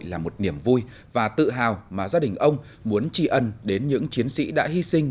là một niềm vui và tự hào mà gia đình ông muốn tri ân đến những chiến sĩ đã hy sinh